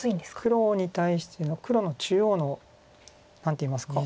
黒に対して黒の中央の何ていいますか。